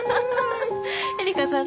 えりかさん